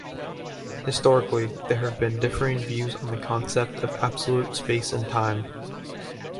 Historically, there have been differing views on the concept of absolute space and time.